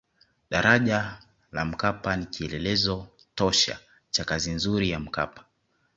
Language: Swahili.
daraja la mkapa ni kielelezo tosha cha kazi nzuri ya mkapa